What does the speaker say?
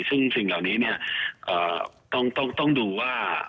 ซึ่งสิ่งเหล่านี้ต้องดูว่า